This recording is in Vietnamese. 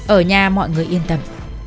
ở nhà mọi người yên tâm